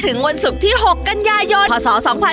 วันศุกร์ที่๖กันยายนพศ๒๕๖๒